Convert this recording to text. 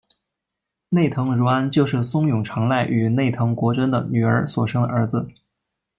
内藤如安就是松永长赖与内藤国贞的女儿所生的儿子。